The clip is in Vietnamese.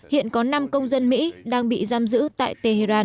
hiện có năm công dân mỹ đang bị giam giữ tại tehran